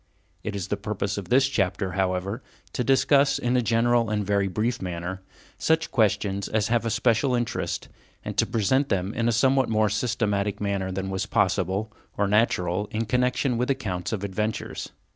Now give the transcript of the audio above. It is the purpose of this chapter, however, to discuss, in a general and very brief manner, such questions as have a special interest, and to present them in a somewhat more systematic manner than was possible, or natural, in connection with accounts of adventures.